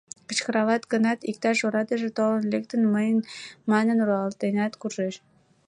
Кычкыралат гынат, иктаж орадыже толын лектын, мыйын манын, руалтенат куржеш.